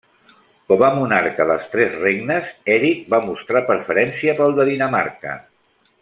Com a monarca dels tres regnes, Eric va mostrar preferència pel de Dinamarca.